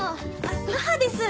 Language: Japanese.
母です。